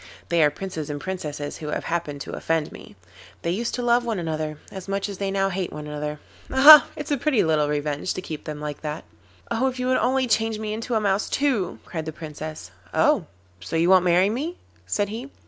They are princes and princesses who have happened to offend me. They used to love one another as much as they now hate one another. Aha! It's a pretty little revenge to keep them like that.' 'Oh! If you would only change me into a mouse too,' cried the Princess. 'Oh! so you won't marry me?' said he.